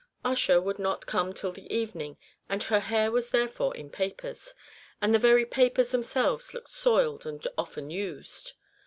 Ussher would not come till the evening, and her hair was therefore in papers and the very papers themselves looked soiled and often used.